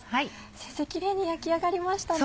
先生キレイに焼き上がりましたね。